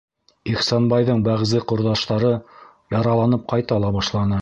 Ихсанбайҙың бәғзе ҡорҙаштары яраланып ҡайта ла башланы.